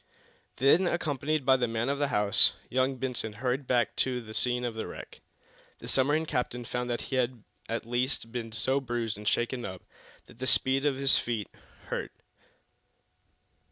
Then, accompanied by the man of the house, young Benson hurried back to the scene of the wreck. The submarine captain found that he had at least been so bruised and shaken up that speed on his feet hurt.